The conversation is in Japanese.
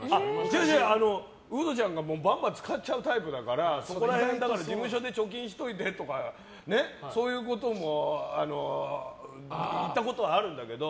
違う、ウドちゃんが使っちゃうタイプだから事務所で貯金しておいてとかそういうことも言ったことはあるんだけど。